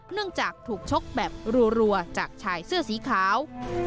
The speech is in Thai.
จากถูกชกแบบรัวจากชายเสื้อสีขาว